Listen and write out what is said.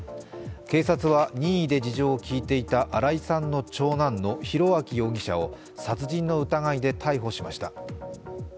警察は任意で事情を聴いていた新井さんの長男の裕昭容疑者を殺人の疑いで逮捕しました。